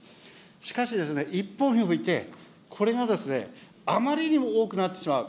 しかしですね、一方において、これがあまりにも多くなってしまう。